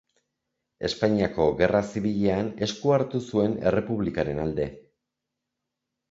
Espainiako Gerra Zibilean esku hartu zuen Errepublikaren alde.